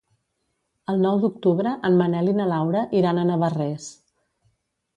El nou d'octubre en Manel i na Laura iran a Navarrés.